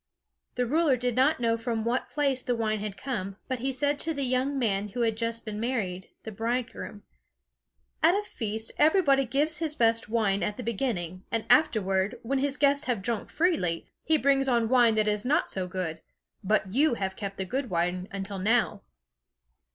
The ruler did not know from what place the wine had come; but he said to the young man who had just been married, the bridegroom: "At a feast everybody gives his best wine at the beginning, and afterward, when his guests have drunk freely, he brings on wine that is not so good; but you have kept the good wine until now."